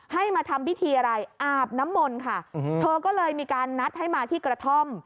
ให้มาทำพิธีอะไรอาบน้ำมนต์ค่ะเธอก็เลยมีการนัดให้มาที่กระท่อม